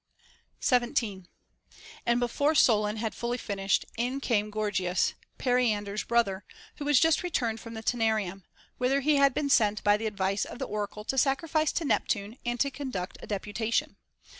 17. And before Solon had fully finished, in came Gor gias, Periander's brother, who was just returned from Taenarnm, whither he had been sent by the advice of the oracle to sacrifice to Neptune and to conduct a deputation.